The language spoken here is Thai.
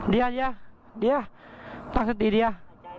ดีอะดีอะตั้งสติดีอะ